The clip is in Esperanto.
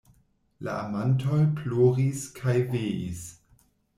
La amantoj ploris kaj veis.